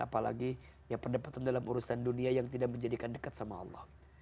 apalagi ya pendapatan dalam urusan dunia yang tidak menjadikan dekat sama allah